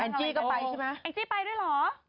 อันจี้ก็ไปใช่ไหมอันจี้ไปด้วยหรอ